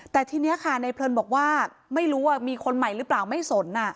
แต่ทีนี้ค่ะในเพลินบอกว่าไม่รู้ว่ามีคนใหม่หรือเปล่าไม่สน